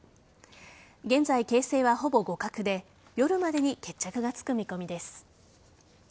現在、形勢はほぼ互角で夜までに決着がつく見込みです。